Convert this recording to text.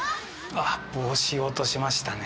あっ帽子を落としましたね